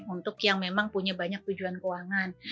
untuk yang memang punya banyak tujuan keuangan